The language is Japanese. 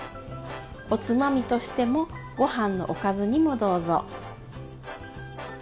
おつまみとしてもごはんのおかずにもどうぞ。